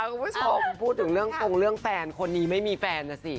คุณผู้ชมพูดถึงเรื่องฟงเรื่องแฟนคนนี้ไม่มีแฟนนะสิ